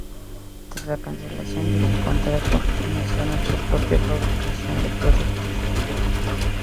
Tras la cancelación de su contrato, iniciaron su propia fabricación de productos.